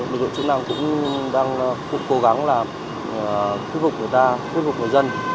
lực lượng chức năng cũng đang cố gắng là thuyết phục người ta thuyết phục người dân